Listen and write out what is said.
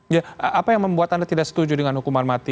ya apa yang membuat anda tidak setuju dengan hukuman mati